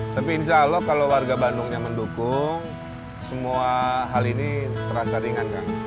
tapi insya allah kalau warga bandung yang mendukung semua hal ini terasa ringan kang